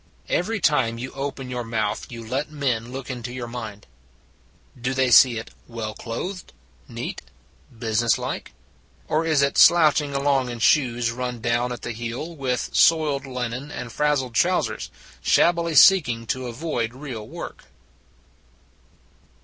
Every time you open your mouth you let men look into your mind. Do they see it well clothed, neat, businesslike? Or is it slouching along in shoes run down at the heel, with soiled linen and frazzled trousers, shabbily seeking to avoid real work?